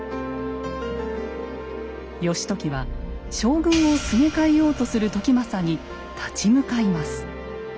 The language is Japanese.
義時は将軍をすげ替えようとする時政に立ち向かいます。